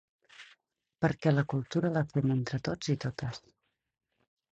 Per què la cultura la fem entre tots i totes.